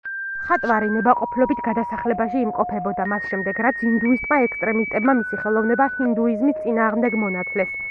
მხატვარი ნებაყოფლობით გადასახლებაში იმყოფებოდა, მას შემდეგ რაც ინდუისტმა ექსტრემისტებმა მისი ხელოვნება ჰინდუიზმის წინააღმდეგ მონათლეს.